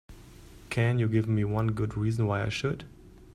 Can you give me one good reason why I should?